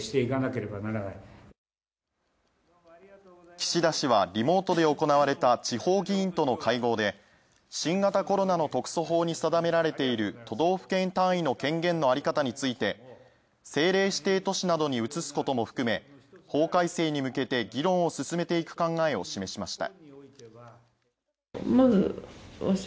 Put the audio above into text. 岸田氏は、リモートで行われた地方議員との会合で、新型コロナの特措法に定められている都道府県単位の権限をのあり方について権限を移すことも含め、法改正に向けて議論を進めていく考えを示しました。